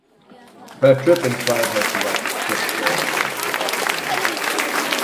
Her trip inspired her to write the script for "The Forgotten Woman".